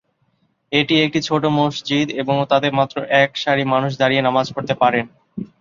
এটি একটি ছোট মসজিদ এবং তাতে মাত্র এক সারি মানুষ দাঁড়িয়ে নামাজ পড়তে পারেন।